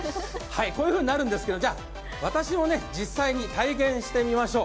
こういうふうになるんですけど私も実際に体験してみましょう。